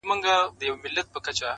کلونه پس چي درته راغلمه، ته هغه وې خو؛